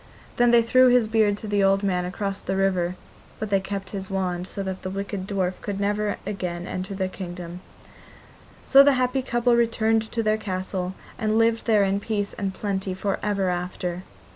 Then they threw his beard to the old man across the river, but they kept his wand, so that the wicked dwarf could never again enter their kingdom. So the happy couple returned to their castle, and lived there in peace and plenty for ever after.